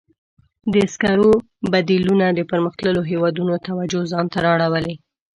د سکرو بدیلونه د پرمختللو هېوادونو توجه ځان ته را اړولې.